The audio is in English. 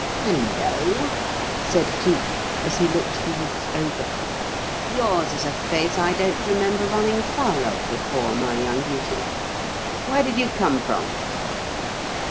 "Hello," said Cleek, as he looked the youth over. "Yours is a face I don't remember running foul of before, my young beauty. Where did you come from?"